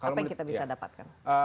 apa yang kita bisa dapatkan